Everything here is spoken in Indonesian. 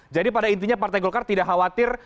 jadi pada intinya partai golkar tidak khawatir